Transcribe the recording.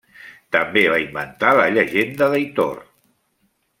També va inventar la llegenda d'Aitor.